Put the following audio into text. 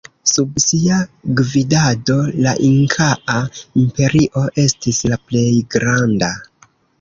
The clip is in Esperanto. Sub sia gvidado la inkaa imperio estis la plej granda.